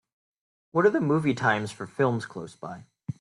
What are the movie times for films close by